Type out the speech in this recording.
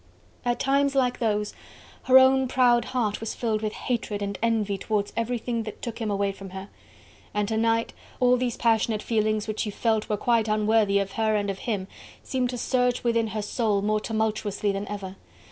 At times like those her own proud heart was filled with hatred and with envy towards everything that took him away from her: and to night all these passionate feelings which she felt were quite unworthy of her and of him seemed to surge within her soul more tumultuously than ever.